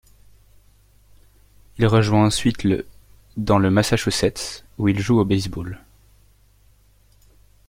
Il rejoint ensuite le dans le Massachusetts, où il joue au baseball.